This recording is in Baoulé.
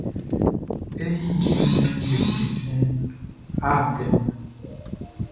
E yi nnɛnʼm be desɛn art blɛ nun.